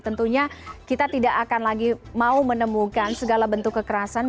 tentunya kita tidak akan lagi mau menemukan segala bentuk kekerasan